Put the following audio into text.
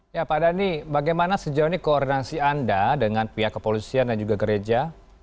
ya pak dhani bagaimana sejauh ini koordinasi anda dengan pihak kepolisian dan juga gereja